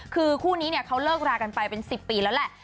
คือคู่นี้เนี่ยเขาเลิกรากันไปเป็น๑๐ปีแล้วแหละ